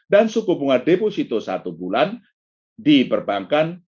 dan suku bunga deposito satu bulan di perbankan